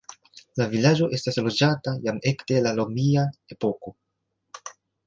La vilaĝo estas loĝata jam ekde la romia epoko.